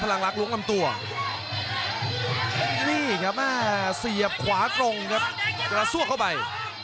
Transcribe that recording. พลังรักล้วงลำตัวนี่ครับเสียบขวากรมสร้อกเข้าไป